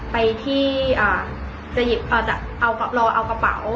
ไปที่จะหยิบเอากระเป๋ารอเอากระเป๋า